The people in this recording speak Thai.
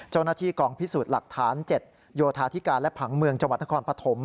เจ้าหน้าที่กองพิสูจน์หลักฐาน๗โยธาธิการและผังเมืองจังหวัดนครปฐม